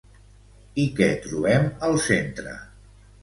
I què trobem al centre?